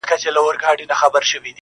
باده نوشه، می فروشه، قصب پوشه، موکمره